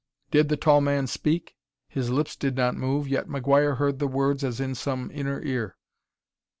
Did the tall man speak? His lips did not move, yet McGuire heard the words as in some inner ear.